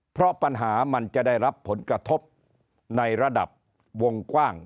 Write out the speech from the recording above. เพราะปัญหามันจะได้รับผลกระทบในระดับวงกว้าง